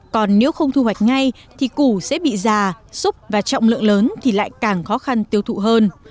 còn nếu không thu hoạch ngay thì củ sẽ bị già xúc và trọng lượng lớn thì lại càng khó khăn tiêu thụ hơn